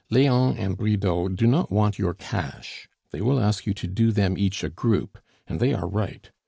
"Leon and Bridau do not want your cash; they will ask you to do them each a group and they are right.